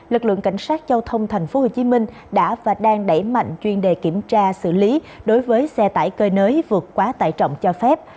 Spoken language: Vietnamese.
lực lượng cảnh sát giao thông tp hcm đã và đang đẩy mạnh chuyên đề kiểm tra xử lý đối với xe tải cơi nới vượt quá tải trọng cho phép